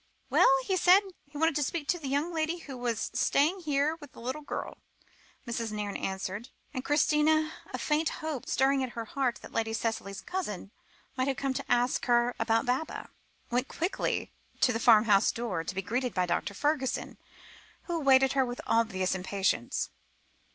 "Well, he said he wanted to speak to the young lady who was staying here, with the little girl," Mrs. Nairne answered, and Christina, a faint hope stirring at her heart that Lady Cicely's cousin might have come to ask her about Baba, went quickly to the farmhouse door, to be greeted by Dr. Fergusson, who awaited her with obvious impatience.